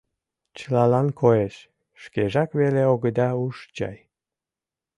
— Чылалан коеш, шкежак веле огыда уж чай.